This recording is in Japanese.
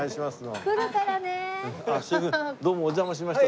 どうもお邪魔しました。